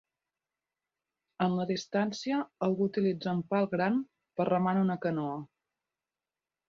En la distància, algú utilitza un pal gran per remar en una canoa.